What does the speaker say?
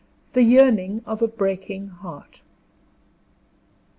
THE YEARNING OF A BREAKING HEART.